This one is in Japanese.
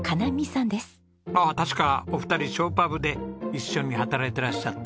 ああ確かお二人ショーパブで一緒に働いてらっしゃった。